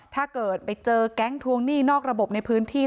ถ้าเกิดไปเจอแก๊งทวงหนี้นอกระบบในพื้นที่